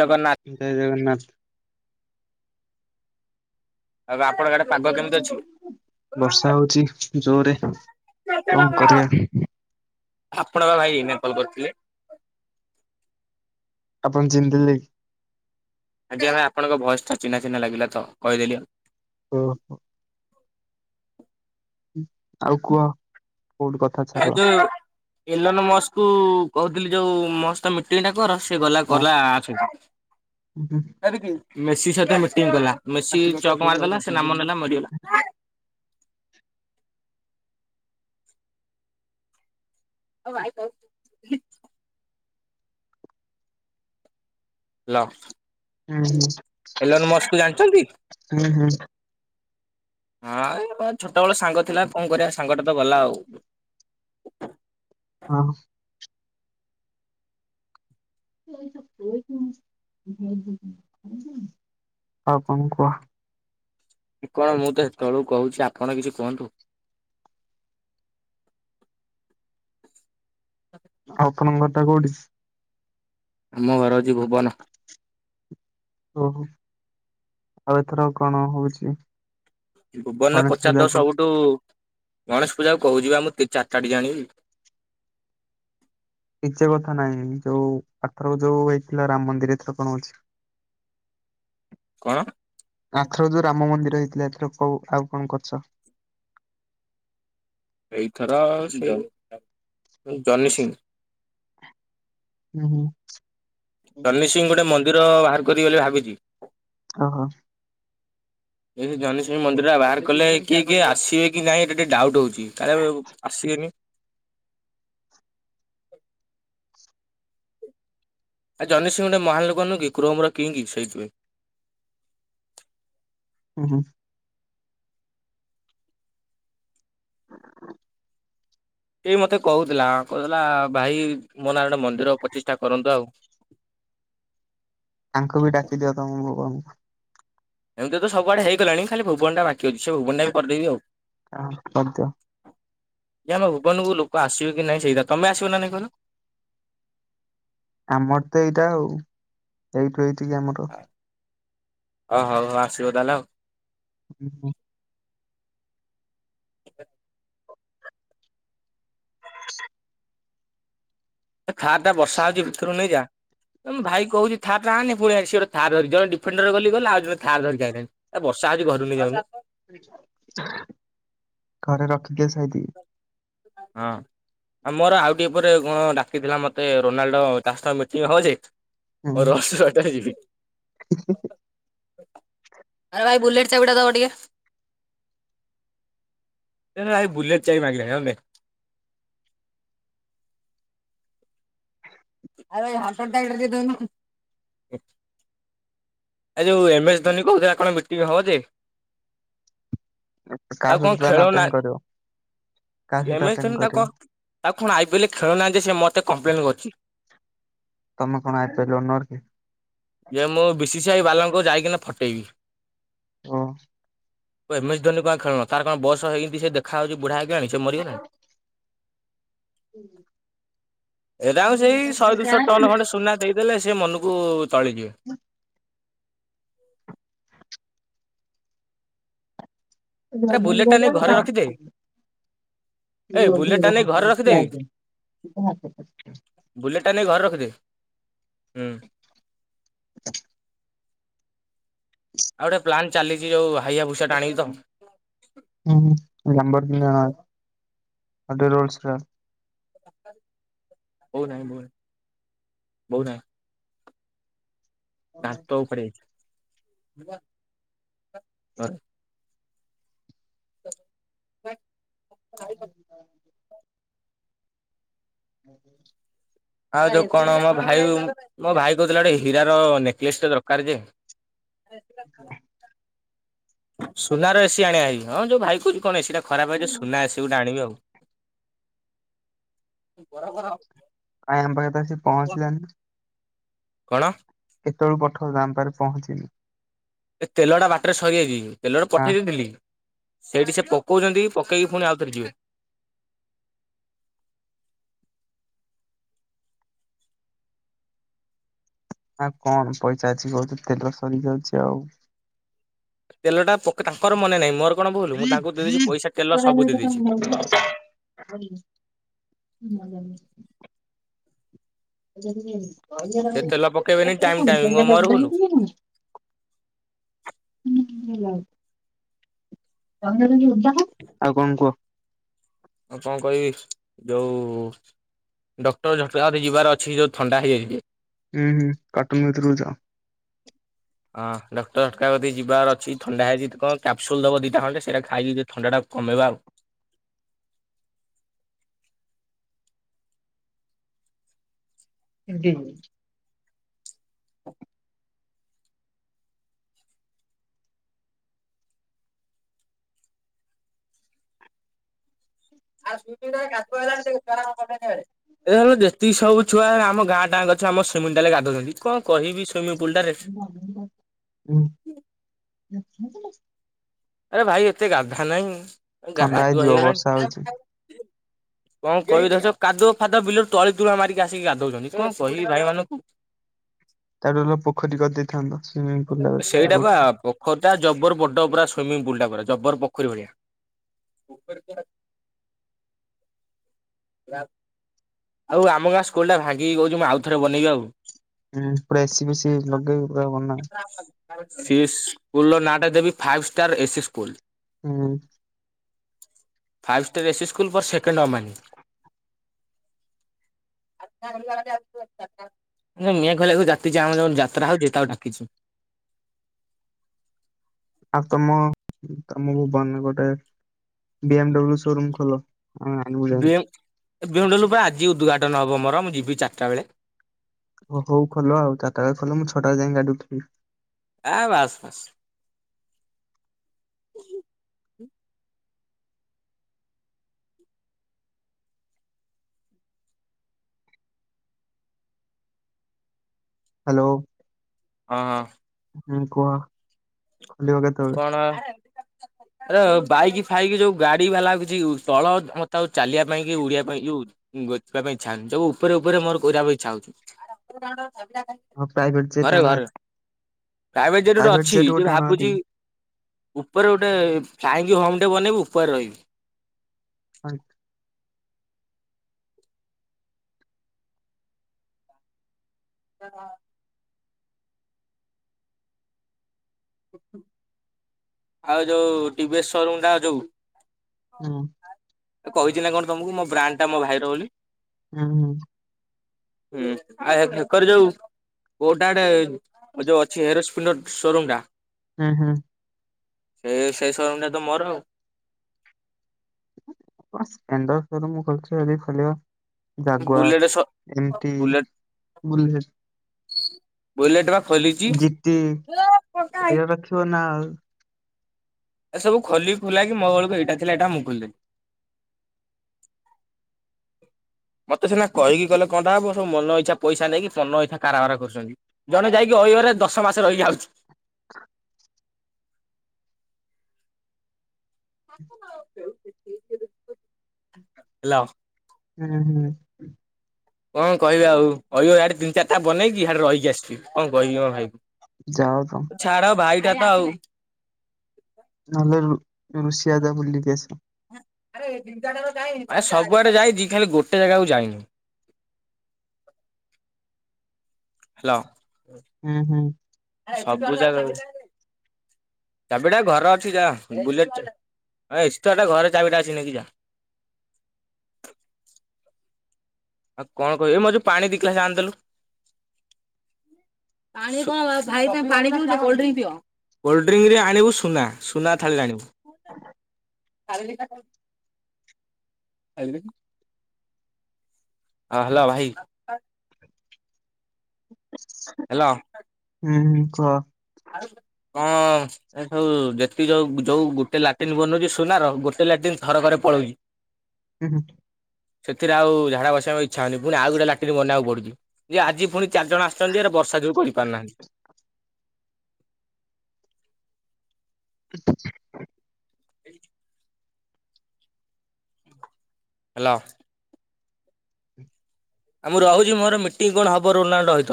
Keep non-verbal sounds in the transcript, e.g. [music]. ଜଗନ୍ନାଥ। ଜୟ ଜଗନ୍ନାଥ। ଆଉ ଆପଣଗାଡେ ବର୍ଷା ହଉଚି ଜୋରରେ କଁ କରିଆ। ଆପଣ ପା ଭାଇ ଏଇନା କଲ୍ କରିଥିଲେ। ଆପଣ ଚିନ୍ ଦେଲେ କି? ଆଜ୍ଞା ଭାଇ ଆପଣଙ୍କ ଭଏସ୍ ଟା ଚିହ୍ନା ଚିହ୍ନା ଲାଗିଲା ତ କହିଦେଲି। ଓ ହୋ। ଆଉ କୁହ କୋଉଟୁ କ ଏ ଯୋଉ ଏଲୋନ ମସ୍ କୁ କହୁଥିଲି ଯୋଉ ମୋସ୍ତ ମିଟିଂ ଟା କର। ସେ ଗଲା କଲା ଆଛ। ଉଁ। ମେସହିତ ସି ମିଟିଂ କଲା, ମେସି ଚକ୍ ମାରିଦେଲା ନାମ ନେଲା ମରିଗଲା। [unintelligible] ଲ। ହୁଁ ଜାଣିଛନ୍ତି? ଉଁ ହୁଁ। ହଁ ଏଇ ଛୋଟ ବେଳ ସାଙ୍ଗ ଥିଲା କଣ କରିବା ସାଙ୍ଗ ଟା ତ ଗଲା ଆଉ। ହଁ। ଆଉ କଁ କୁହ। କଣ ମୁଁ ତ ହେତବେଳୁ କହୁଛି ଆପଣ କିଛି କୁହନ୍ତୁ। ଆଉପଣଙ୍କ ଘରଟା କୋଉଠି? ଆମ ଘର ଅଛି ଭୁବନ। ଓହୋ! ଆଉ ଏଥର କଣ ହଉଛି? ଭୁବନରେ ଗଣେଶ ପଚାରଦ ପୂଜାକୁ? ସବୁଠୁ ଗଣେଶ ପୂଜାକୁ କହୁଛିିବା ମୁଁ ଚାରିଟାଟିକେ ଆଣିବି। କିଚେ କଥା ନାଇଁ। ଯୋଉ ଆର୍ ଥର ଯୋଉ ହେଇଥିଲା ରାମ ମନ୍ଦିର ଏଥର କଣ ଅଛି? କଣ? ଆର୍ ଥର ଯୋଉ ରାମ ମନ୍ଦିର ହେଇଥିଲା। ଏଥର କୋଉ, ଆଉ କଣ କରୁଚ? ଏଇଥର ସିଏ ଜନିସିିଂ। ଉଁ ହୁଁ। ଜନି ସିଂ ଗୋଟେ ମନ୍ଦିର, ବାହାର କରିବି ବୋଲି ଭାବିଛି। ହଁ, ହଁ। ଏଇ ଜନି ସିଂ ମନ୍ଦିର ଟା ବାହାର କଲେ, କିଏ କିଏ ଆସିବେ କି ନାଇଁ ଏଟା ଟିକେ ଡାଉଟ୍ ହଉଛି, କାଳେ ଆସିବେନି? ଆ ଜନି ସିଂ ଗୁଟେ ମହାନ ଲୋକ ନୁହେଁ କି! କ୍ରୋମ ର କିଂଗି ସେଇଥିପାଇଁ। ଉଁ ହୁଁ। ହ ଏଇ ମତେ କହୁଥିଲା, କହୁଥିଲା ଭାଇ ମୋ ନାଁ ରେ ଓଟେ ମନ୍ଦିର ପ୍ରଚିଷ୍ଠା କରନ୍ତୁ ଆଉ। ୟାଙ୍କୁ ବି ଡାକିଦିଅ ତମ ଭୁବନ କୁ। ଏମିତି ତ ସବୁଆଡେ ହେଇଗଲାଣି। ଖାଲି ଭୁବନ ଟା ବାକି ଅଛି। ସେ ଭୁବନା ଟା ବି କରିଦେବି ଆଉ। ହାଁ କରିଦିଅ। ଏ ଆମ ଭୁବନକୁ ଲୋକ ଆସିବେ କି ନାଇଁ ସେଇତା। ତମେ ଆସିବ ନା ନାହିଁ କହିଲ? ଆମର ତ ଏଇଟା ଆଉ, ଏଇଠୁ ଏଇଠ କିି ଆମର। ଓ ହଉ, ହଉ ଆସିବ ତାହେଲେ ଆଉ। ଉ ଉଁ। ହ ଏ ଖାର୍ ଟା ବର୍ଷା ହଉଛି ଭିତରୁ ନେଇଯା। ଏ ମୁଁ ଭାଇକି କହୁଛି ଥାର୍ ଟା ଆଣେ ନି, ପୁଣି ହେ ସିଏ, ଗୋଟେ ଥାର୍ ଧରି, ଜଣେ ଡିଫେଣ୍ଡର ଗଲି ଗଲା। ଆଉ ଜଣେ ଥାର୍ ଧରିକି ଆଇଲାଣି। ଏ ବର୍ଷା ହଉଛି ଘରୁ ନେଇଯାଉନୁ। ଘରେ ରଖିକିଆ ସାଇତିକି। ହଁ। ଆ ମୋର ଆଉ ଟିକେ ପରେ, କଣ ଡାକିଥିଲା ମତେ, ରୋନାଲ୍ଡୋ ତା ସହିତ ମିଟିଂ ହବଯେ। ମୋ ରସ୍ ରଟାରେ ଯିବି। ହୁଁ ହୁଁ। ଆରେ ଭାଇ, ବୁଲେଟ୍ ଚାବିଟା ଦବ ଟିକେ। ଏ ଭାଇ ବୁଲେଟ୍ ଚାବି ମାଗିଲାଣି, ହଉ ନେ। ଆରେ ଏଇ ହାଣ୍ଟର ଟାଇପର୍ ଦେଇଦଉନୁ। ଏ ଯୋଉ, ଏମ୍ ଏସ୍ ଧୋନୀ କହୁଥିଲା କଣ ମିଟିଂ ହବ ଯେ? କାହା ତାକୁ କଁ ସହିତ ତାନେ ଖେଳ ନା, ଆଟେଣ୍ଡ କରିବ କାହା ସହିତ ଏମ୍ ଏସ୍ ଆଟେଣ୍ଡ ଧୋନି କରିବ ତାକୁ କଁ ଆଉ କଣ ଆଇ ପି ଏଲ୍ ରେ ଖେଳଉ ନାହାଁନ୍ତି? ସେ ମୋତେ କମ୍ପ୍ଲେନ୍ କରିଛି। ତମେ କଣ ଆଇ ପି ଏଲ୍ ଓନର୍ କି? ଏ ମୁଁ ବି ସି ସି ଆଇ ବାଲାଙ୍କୁ ଯାଇକିନା ଫଟେଇବି। ଓଁ। ଏମ୍ ଏସ୍ ଧୋନି କୁ କାଇଁ ଖେଳଉନ? ତାର କଣ ବୟସ ହେଇଁତି ସେ ଦେଖାହାଉଛି ବୁଢ଼ା ହେଇଗଲାଣି, ସେ ମରିଗଲାଣି। ଏଟାଙ୍କୁ ସେଇ ଶହେ, ଦୁଇଶହ ଟନ୍ ଖଣ୍ଡେ ସୁନା ଦେଇଦେଲେ, ସେ ମନକୁ ତଳିଯିବେ। [unintelligible] [inaudible] ଆରେ ବୁଲେଟ ଟା ନେଇ ଘରେ ରଖିଦେ [unintelligible] ଏ ବୁଲେଟ ଟା ନେଇ ଘରେ ରଖିଦେ [unintelligible] ବୁଲେଟା ନେଇ ଘରେ ରଖିଦେ ହୁଁ। [inaudible] ଆଉ ଗୋଟେ ପ୍ଲାନ୍ ଚାଲିଛି ଯୋଉ ହାଇବା ଭୁଷାଟେ ଆଣିବି ତ। ହୁଁ ନମ୍ବର୍ ଦିନ ଆଉ ଗୋଟେ ରୋଲ୍ସ କ୍ରା। ବୋଉ ନାହିଁ ବୋଉ ନାହିଁ ବୋଉ ନାହିଁ। ଦାନ୍ତ ଉପାଡି ଯାଇଛି ଘରେ। [inaudible] [unintelligible] ଆଉ ଯୋଉ କଣ ମୋ ଭାଇ ମୋ ଭାଇ କହୁଥିଲା ଗୋଟେ ହୀର ର ନେକଲେସ୍ ଟେ ଦରକାର୍ ଯେ [unintelligible] [unintelligible] ସୁନାର ଏସି ଆଣିଭାଇ ହଁ ଯୋଉ ଭାଇ କହୁଛି କଣ ଏସି ଟା ଖରାପ ହେଇଛି ସୁନା ଏସିି ଗୋଟେ ଆଣିବି ଆଉ। କାଇଁ ଆମ ପାଖରେ ତ ସେ ପହଁଞ୍ଚିଲାନି। କଣ? କେତେବେଳୁ ପଠ ଦାମ୍ ପାରେ ପହଁଞ୍ଚିନି। ଏ ତେଲଟା ବାଟରେ ସରିଯାଇଛି ତେଲଟା ହଁ ପଠେଇ ଦେଇଥିଲି। ସେଇଠି ସେ ପକଉଛନ୍ତି ପକେଇକି ପୁଣି ଆଉଥରେ ଯିବେ। ଆଁ କଣ ପଇସା ଅଛି କହୁଛୁ ତେଲ ସରି ଯାଉଛି ଆଉ। ତେଲଟା ପକ ତାଙ୍କର ମନେ ନାହିଁ ମୋର କଣ ଭୁଲୁ ମୁଁ ତାଙ୍କୁ ଦେଇଦେଇଛି ପଇସା ତେଲ ସବୁ ଦେଇ ଦେଇଛି। [inaudible] [unintelligible] ସେ ତେଲ ପକେଇବେନି ଟାଇମ ଟାଇମ କଣ ମୋର ଭୁଲ [unintelligible] [unintelligible] [unintelligible] ଆଉ କଣ କୁହ? ଆଉ କଣ କହିବି ଯୋଉ ଡକ୍ଟର ଝଟକା କତିକି ଯିବାର ଅଛି ଯଉ ଥଣ୍ଡା ହେଇଯାଇଛି। ହୁଁ ହୁଁ କାଟୁନୁ ଭିତରକୁ ଯାଅ। ହଁ ଡକ୍ଟର ଝଟକା କତିକି ଯିବାର ଅଛି ଥଣ୍ଡା ହେଇଛି କଣ କ୍ୟାପସୁଲ୍ ଦବ ଦିଇଟା ଖଣ୍ଡେ ସେଇଟା ଖାଇକି ଟିକେ ଥଣ୍ଡାଟା କମେଇବା ଆଉ। [unintelligible] [unintelligible] ଏ ଯେତିକି ସବୁ ଛୁଆ ଆମ ଗାଁ ଟା ଆଙ୍କ ଛୁଆ ଆମ ସୁମିଟାଲେ ଗାଧଉଛନ୍ତି କଣ କହିବି ସୁଇମିଙ୍ଗ୍ ପୁଲ୍ ଟାରେ। [unintelligible] ଆରେ ଭାଇ ଏତେ ଗାଧା ନାଇଁ ଥଣ୍ଡା ଗାଦୁଅ ହେଇଯିବ ବର୍ଷା ହଉଛି ହେଇଗଲାଣି। କଣ କହିବି ଦେଖ ସବୁ କାଦୁଅ ଫାଦୁଅ ବିଲରୁ ତଳି ତୁଳା ମାରିକି ଆସିକି ଗାଧଉଛନ୍ତି କଣ କହିବି ଭାଇ ମାନଙ୍କୁ। ତାଠୁ ଭଲ ପୋଖରୀ କରିଦେଇଥାନ୍ତ। ସୁଇମିଂ ପୁଲ ହୁଁ ସେଇଟା ବା ପୋ ପୋଖରିଟା ଜବର ବଡ ପୁରା ସୁମିଙ୍ଗ ପୁଲ ଟା ପୁରା ଜବର ପୋଖରୀ ଭଳିଆ। ରାତ ଆଉ ଆମ ଗାଁ ସ୍କୁଲ୍ ଟା ଭାଙ୍ଗିକି କହୁଛି ମୁଁ ଆଉଥରେ ବନେଇବି ଆଉ। ହୁଁ ପୁରା ଏସିି ଫେସିି ଲଗେଇବି ପୁରା ବନା। ସ ସ୍କୁଲର ନାଁଟା ଦେବି five star A C school. ହୁଁ। Five star A C school second ଅମେନ [unintelligible] ଯୋଉ ଯାତ୍ରା ହଉଛି ତାକୁ ଡାକିଛି। ଆଉ ତମ ତମ ଭୁବନ ରେ ଗୋଟେ ବି ଏମ ଡବ୍ଲୁ ସୋରୁମ ଖୋଲ। ହଁ ଆଣିବୁ ବି ଯାଇକି ଏମ ଦବ୍ଲୁ ପରା ଆଜି ଉଦ୍ଘାଟନ ହବ ମୋର, ମୁଁ ଯିବି ଚାରିଟା ବେଳେ। ଓ ହୋ ଖଲ ଆଉ, ମୁ ଚରଟା ବେଳେ ଖୋଲ ମୁଁ ଛଟା ବଳେ ଯାଇକି ଗାଡି ଉଠେଇବି। ଆ ବାସ୍ ବାସ୍। ହ୍ୟାଲୋ। ହଁ। ହଁ କୁହ। ଖୋଲିବ କେତେବେଳେ? କଣ ହେ ଆରେ ବାଇକ ଫାଇକ ଯୋଉ ଗାଡି ବାଲା କିଛି ତଳ ମତେ ଆଉ ଚାଲିବା ପାଇଁ କି ଉଡିଆ ପାଇଁ ଯଉ ଗୋଛିବା ପାଇଁ ଇ ଇଚ୍ଛା ହଉନି, ସବୁ ଉପରେ ଉପରେ ମୋର କରିବା ପାଇଁ ଇଚ୍ଛା ହଉଛି। ହଁ ପ୍ରାଇଭେ ଜେଟ ଘରେ ଆଣ ଘରେ ହେରି ପ୍ରାଇଭେଟ ଜେଟ ଗଟେ ଅଛି ଯେ ଗୋଟେ ଆଣ ଭାରି। ଭାବୁଛି ଉପରେ ଗୋଟେ ଫ୍ଲାଇଙ୍ଗ ହୋମ ଟେ ବନେଇବି ଉପରେ ରହିବି [unintelligible] [unintelligible] ଆଉ ଯୋଉ ଟି ଭି ଏସ୍ ସୋରୁମ ଟା ଯୋଉ ହଁ। ଏ କହିଛି ନା କଣ ତମକୁ ମୋ ବ୍ରାଣ୍ଡ ଟା ମୋ ଭାଇର ବୋଲି? ହୁଁ ହୁଁ। [unintelligible] ଯୋଉ କୋଉଟା ଆଡ଼େ ଯୋଉ ଅଛି ହେରୋ ସ୍ପ୍ଲିଣ୍ଡର ସୋରୁମ୍ ଟା ହଁ ହଁ। ଏ ସେଇ ସୋରୁମ ଟା ତ ମୋର ଆଉ ସ୍ପ୍ଲେଡର ସୋ ରୁମ କରିଛି ଏବେ ଖୋଲିବା। ବୁଲେଟ ସ ଜାଗୁଆର ଏମତି ବୁଲେଟ ବୁଲେଟ୍ ବୁଲେଟ ବା ଖୋଲିଛି। ଜିଟି ଏଇରା ରଖିବ ନା ଆଉ ଏ ସବୁ ଖୋଲି ଖୋଲାକି, ମୋ ବେଳକୁ ଏଇଟା ଥିଲା ଏଇଟା ମୁଁ ଖୋଲିଦେଲି ମତେ ସିନା କହିକି କଲେ କଣ ଟା ହବ, ସବୁ ମନଇଛା ପଇସା ନେଇକି ମନ ଇଛା କାରବର କରୁଛନ୍ତି। ଜଣେ ଯାଇକି ଅହିବରେ ଦଶ ମାସ ରହିକିଆଉଛି। [inaudible] ହେଲୋ। ହୁଁ ହୁଁ। କଣ କହିବି ଆଉ କହିବ ଆଡେ ତିିନ ଚାରିଟା ବନେଇକି, ଆଡେ ରହିକି ଆସିବି। କଣ କହିବି କଣ ଭାଇବି ଯାଅ ତ। ଛାଡ ଭାଇଟା ତ ଆଉ ନହେଲେ ଋଷିଆ ଯା ବୁଲିକି ଆସିଆ। ସବୁଆଡେ ଯାଇଛି ଖାଲି ଗୋଟେ ଜାଗାକୁ ଯାଇନି। ହ୍ୟାଲୋ। ହୁଁ ହୁଁ। ସବୁ ଜାଗା [inaudible] [unintelligible] ଚାବିଟା ଘରେ ଅଛି ଯା, ବୁଲେଟଟା, ଏଷ୍ଟ୍ର ଟା ଘରେ ଚାବିଟା ଅଛି ନେଇକି ଯା। ଆଉ କଣ କହିବି ଏ ମୋ ଯୋଉ ଦି ଗ୍ଲାସ ଆଣିବେଲୁ। ପାରି କଅଁ ଭାଇନାପାଣିିିୋ ପିଉଚ୍ଚ କୋଲଡ୍ରିଙ୍ଗ୍ ପିଅକୋଲଡ୍ରିଙ୍ଗରେ ଆଣିବୁ ସୁନା। ସୁନା ଥାଳିରେ ଆଣିବୁ। ଥାଳିରେ କାଟ ଥାଳିରେ କି? ହଁ ହ୍ୟାଲୋ ଭାଇ। [unintelligible] ହ୍ୟାଲୋ ହୁଁ ହୁଁ କୁହ। ହଁ। ଏ ସବୁ ଯେତିି ଯୋଉ ଯୋଉ ଗୋଟେ ଲାଟ୍ରନ୍ ବନଉଛି ସୁନ ର ଗୋଟେ ଲାଟି୍ରନ୍ ଥର କରେ ପଳଉଛି। [unintelligible] ହୁଁ ହୁ। ସେଥିରେ ଆଉ ଝାଡ଼ା ବସିବାକୁ ଇଛା ହଉନି ପୁଣି ଆଉ ଗୋଟା ଲାଟିନ ବନେଇବାକୁ ପଡୁଛି ଯେ ଆଜି ପୁଣି ଚାରି ଜଣ ଆସଛନ୍ତି ଏରା ବର୍ଷା ଯୋଗୁ କରିପାରୁ ନାହାନ୍ତି। [unintelligible] ହ [unintelligible] ହାଲୋ। ଆ ମୁଁ ରହୁଛି ମୋର ମିଟିଂ କଣ ହବ ରୋନାଣ୍ଡ ରହିତ।